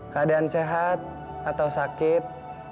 keadaan sehat atau sakit